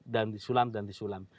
dan disulam dan disulam